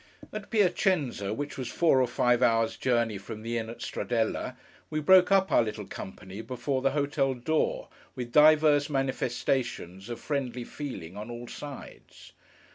At Piacenza, which was four or five hours' journey from the inn at Stradella, we broke up our little company before the hotel door, with divers manifestations of friendly feeling on all sides.